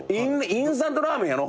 インスタントラーメンやろ？